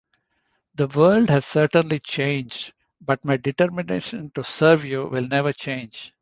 The world has certainly changed, but my determination to serve you will never change.